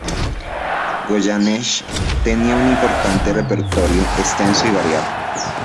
Goyeneche tenía un importante repertorio, extenso y variado.